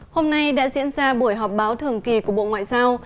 hôm nay đã diễn ra buổi họp báo thường kỳ của bộ ngoại giao